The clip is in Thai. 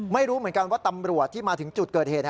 ไม่รู้เหมือนกันว่าตำรวจที่มาถึงจุดเกิดเหตุ